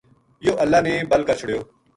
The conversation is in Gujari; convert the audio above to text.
یوہ اللہ نے بَل کر چھُڑیو